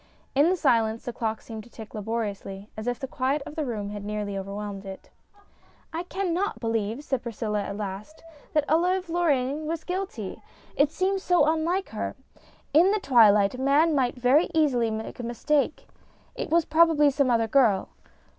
In the silence, the clock seemed to tick laboriously, as if the quiet of the room had nearly overwhelmed it. MINIATURES 265 "I cannot believe," said Priscilla at last, "that Olive Lorraine was guilty. It seems so unlike her. In the twilight a man might very easily make a mistake it was probably some other girl."